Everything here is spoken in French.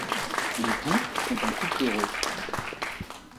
Les Boult sont un couple heureux.